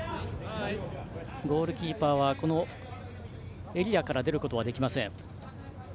ゴールキーパーはこのエリアから出ることはできません。